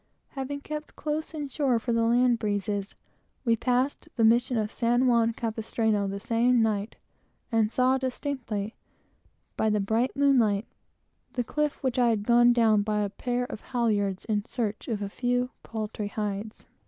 Having kept close in shore, for the land breeze, we passed the mission of San Juan Campestráno the same night, and saw distinctly, by the bright moonlight, the hill which I had gone down by a pair of halyards in search of a few paltry hides.